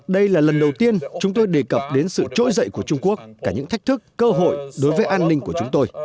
đây là lần đầu tiên chúng tôi đề cập đến sự trỗi dậy của trung quốc cả những thách thức cơ hội đối với an ninh của chúng tôi